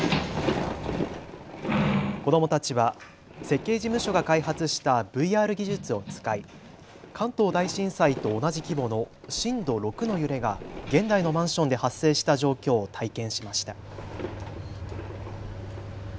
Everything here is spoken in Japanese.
子どもたちは設計事務所が開発したＶＲ技術を使い関東大震災と同じ規模の震度６の揺れが現代のマンションで発生した状況を体験しました。